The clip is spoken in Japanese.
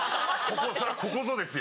そりゃここぞですよ。